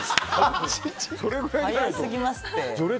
早すぎますって。